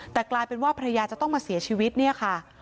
แต่กลายเป็นว่าภรรยาจะต้องมาเสียชีวิตเนี่ยค่ะ